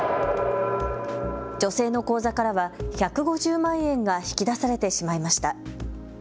女性の口座からは１５０万円が引き出されてしまいました。